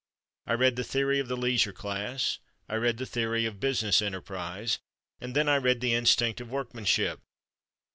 I read "The Theory of the Leisure Class," I read "The Theory of Business Enterprise," and then I read "The Instinct of Workmanship."